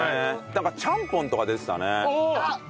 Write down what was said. なんかちゃんぽんとか出てたね。